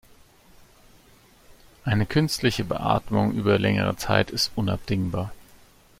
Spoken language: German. Eine künstliche Beatmung über längere Zeit ist unabdingbar.